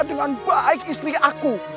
dengan baik istri aku